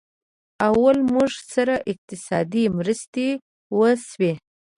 او له موږ سره اقتصادي مرستې وشي